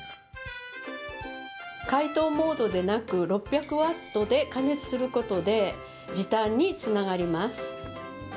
解凍モードでなく６００ワットで加熱することで時短につながります。